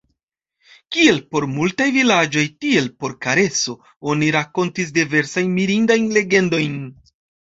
Kiel por multaj vilaĝoj, tiel por Kareso, oni rakontis diversajn mirindajn legendojn.